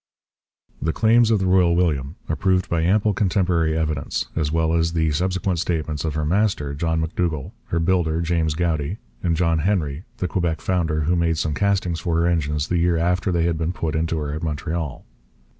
The claims of the Royal William are proved by ample contemporary evidence, as well as by the subsequent statements of her master, John M'Dougall, her builder, James Goudie, and John Henry, the Quebec founder who made some castings for her engines the year after they had been put into her at Montreal.